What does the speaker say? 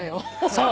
そう。